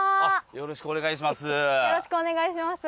よろしくお願いします。